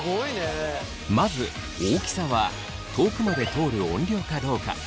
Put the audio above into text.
まず大きさは遠くまで通る音量かどうか。